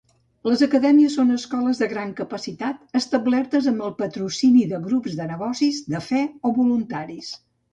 Les acadèmies són escoles de gran capacitat establertes amb el patrocini de grups de negocis, de fe o voluntaris.